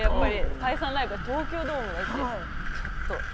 解散ライブだし、東京ドームだし。